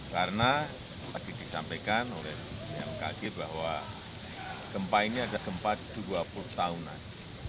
karena tadi disampaikan oleh yang kaget bahwa gempa ini ada gempa dua puluh tahunan